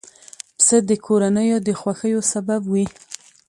پسه د کورنیو د خوښیو سبب وي.